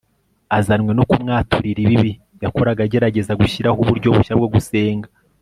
azanwe no kumwaturira ibibi yakoraga agerageza gushyiraho uburyo bushya bwo gusenga